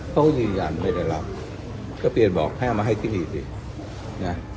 เขาก็ยืนยันไม่ได้รับก็เปลี่ยนบอกให้เอามาให้ที่นี่สินะ